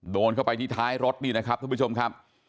โดนเข้าไปที่ท้ายรถนี่นะครับท่านผู้ชมครับ